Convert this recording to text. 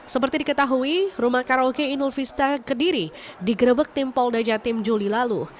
seperti diketahui rumah karaoke inul vista kediri digerebek tim polda jatim juli lalu